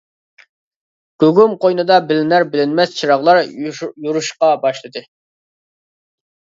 گۇگۇم قوينىدا بىلىنەر-بىلىنمەس چىراغلار يورۇشقا باشلىدى.